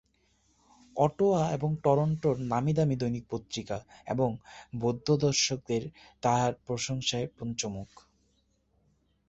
Ottawa এবং টরন্টোর নামীদামি দৈনিক পত্রিকা এবং বোদ্ধা দর্শকেরা তাঁর প্রশংসায় পঞ্চমুখ।